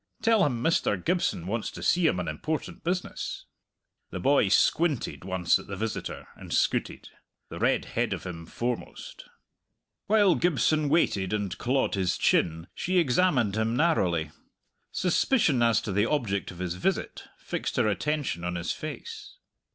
Tell him Mr. Gibson wants to see him on important business." The boy squinted once at the visitor, and scooted, the red head of him foremost. While Gibson waited and clawed his chin she examined him narrowly. Suspicion as to the object of his visit fixed her attention on his face.